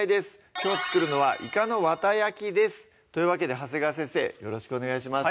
きょう作るのは「いかのわた焼き」ですというわけで長谷川先生よろしくお願いします